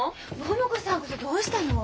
桃子さんこそどうしたの？